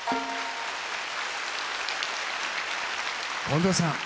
近藤さん